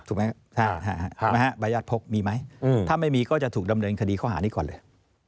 ใบยาทพกมีไหมถ้าไม่มีก็จะถูกดำเนินคดีข้อหานี้ก่อนเลย